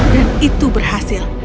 dan itu berhasil